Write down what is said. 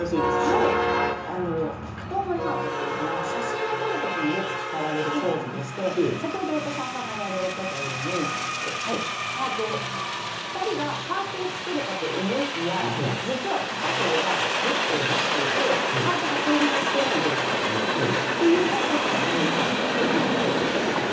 片思いハートというのは写真を撮る時によく使われるポーズでして先ほど横澤さんがやられていたように２人がハートを作るかと思いきや実は、片方がグッドを出していてハートが成立していない状態というのを片思いハートというんです。